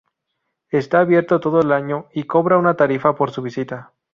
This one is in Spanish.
Está abierto todo el año y cobran una tarifa por su visita.